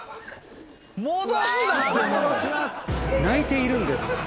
泣いているんです。